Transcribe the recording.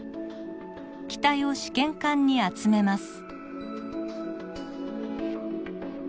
気体を試験管に集めます。